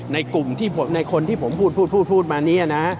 ในคนที่ผมพูดมาเนี่ยนะ